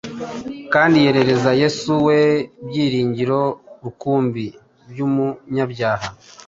kandi yerereza Yesu we byiringiro rukumbi by’umunyabyaha.